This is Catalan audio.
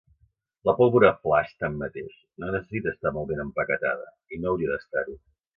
La pólvora flaix, tanmateix, no necessita estar molt ben empaquetada, i no hauria d'estar-ho.